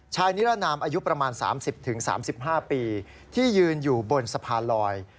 นิรนามอายุประมาณ๓๐๓๕ปีที่ยืนอยู่บนสะพานลอย